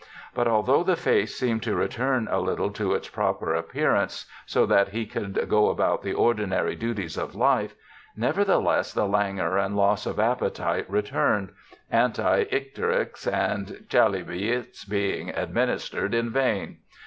But although the face seemed to return a little to its proper appearance, so * Jaundice. G 2 84 BIOGRAPHICAL ESSAYS that he could go about the ordinary' duties of hfe, nevertheless, the languor and loss of appetite returned, anti icterics and chalybeates being administered in vain.